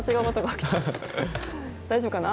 大丈夫かな？